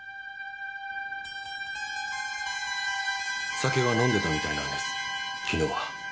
酒は飲んでたみたいなんです昨日は。